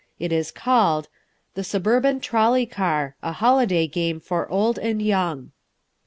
It is called: The Suburban Trolley Car A Holiday Game for Old and Young.